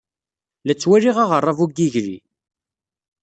La ttwaliɣ aɣerrabu deg yigli.